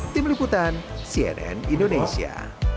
tim liputan cnn indonesia